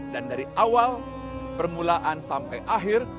dan dari awal permulaan sampai akhir